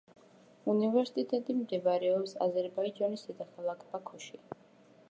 უნივერსიტეტი მდებარეობს აზერბაიჯანის დედაქალაქ ბაქოში.